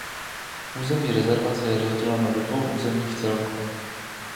Území rezervace je rozděleno do dvou územních celků.